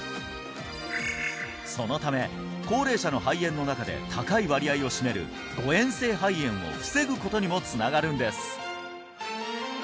そのため高齢者の肺炎の中で高い割合を占める誤嚥性肺炎を防ぐことにもつながるんです